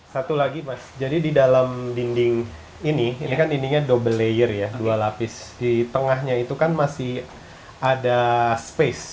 satu lagi mas jadi di dalam dinding ini ini kan ininya double layer ya dua lapis di tengahnya itu kan masih ada space